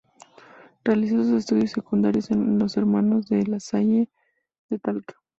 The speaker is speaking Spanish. Realizó sus estudios secundarios en los Hermanos de La Salle de Talca.